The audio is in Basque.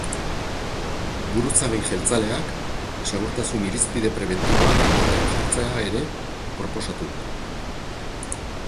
Buruzagi jeltzaleak segurtasun irizpide prebentiboak indarrean jartzea ere proposatu du.